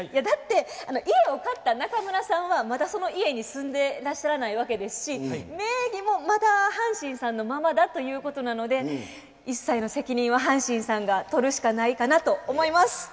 だって家を買った中村さんはまだその家に住んでらっしゃらないわけですし名義もまだ阪神さんのままだということなので一切の責任は阪神さんが取るしかないかなと思います。